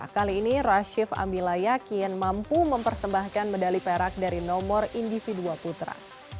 kali ini rashif amilayakin mampu mempersembahkan medali perak dari nomor individua putra